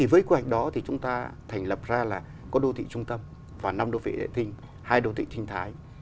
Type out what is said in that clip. với quy hoạch đó thì chúng ta thành lập ra là có đô thị trung tâm và năm đô thị vệ tinh hai đô thị trinh thái